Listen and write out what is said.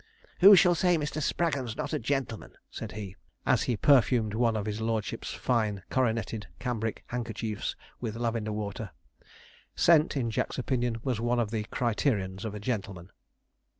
'Who shall say Mr. Spraggon's not a gentleman?' said he, as he perfumed one of his lordship's fine coronetted cambric handkerchiefs with lavender water. Scent, in Jack's opinion, was one of the criterions of a gentleman.